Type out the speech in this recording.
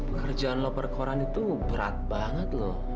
pekerjaan loper koran itu berat banget loh